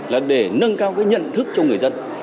là để nâng cao cái nhận thức cho người dân